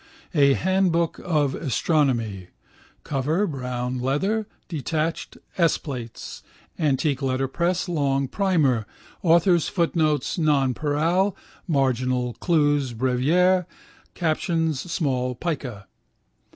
A Handbook of Astronomy (cover, brown leather, detached, 5 plates, antique letterpress long primer, author's footnotes nonpareil, marginal clues brevier, captions small pica).